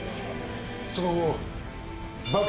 その後。